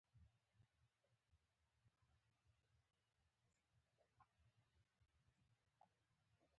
وسله د لېونتوب نښه ده